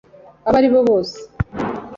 abo ari bo bose